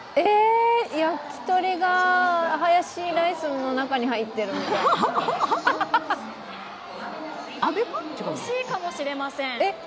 焼き鳥がハヤシライスの中に入ってるみたいな惜しいかもしれません。